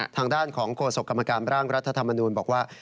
ทางด้านของโฆษกกรรมการร่างรัฐธรรมนูญบอกว่า